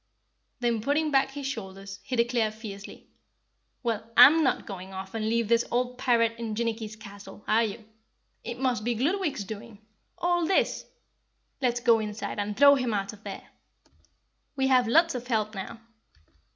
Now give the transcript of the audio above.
Then putting back his shoulders, he declared fiercely, "Well, I'M not going off and leave this old pirate in Jinnicky's castle, are you? It must be Gludwig's doing all this! Let's go inside and throw him out of there! We have lots of help now.